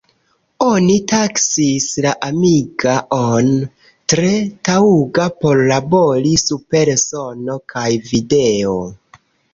Oni taksis la "Amiga-on" tre taŭga por labori super sono kaj video.